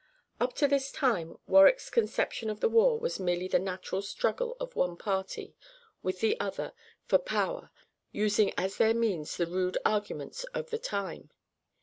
Up to this time Warwick's conception of the war was merely the natural struggle of the one party with the other for power, using as their means the rude arguments of the time.